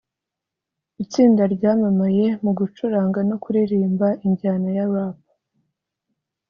itsinda ryamamaye mu gucuranga no kuririmba ijyana ya Rap